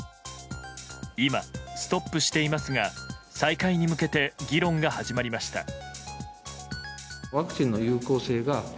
今、ストップしていますが再開に向けて議論が始まりました。